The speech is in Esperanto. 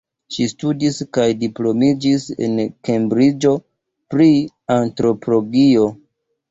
Ŝi studis kaj diplomiĝis en Kembriĝo pri antropologio.